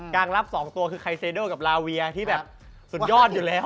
การรับ๒ตัวคือไคเซโดกับลาเวียที่แบบสุดยอดอยู่แล้ว